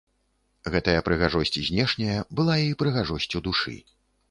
Гэтая прыгажосць знешняя была і прыгажосцю душы.